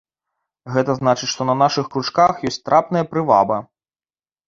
Гэта значыць, што на нашых кручках ёсць трапная прываба.